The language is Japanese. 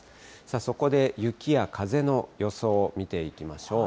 そこで雪や風の予想を見ていきましょう。